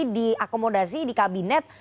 diakomodasi di kabinet